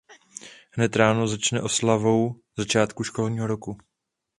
Hned ráno začne oslavou začátku školního roku.